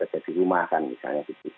jadi rumah akan misalnya